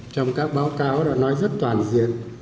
trong các báo cáo đã nói rất toàn diện